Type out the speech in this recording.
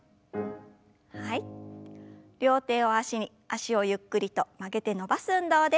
脚をゆっくりと曲げて伸ばす運動です。